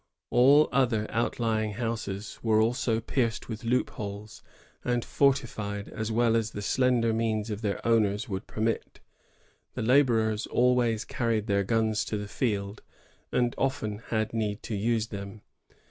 All other outlying houses were also pierced with loopholes, and fortified as well as the slender means of their owners would permit. The laborers always carried their guns to the field, and often had need to use them.